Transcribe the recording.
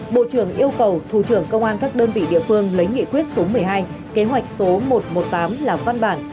bộ trưởng yêu cầu thủ trưởng công an các đơn vị địa phương lấy nghị quyết số một mươi hai kế hoạch số một trăm một mươi tám là văn bản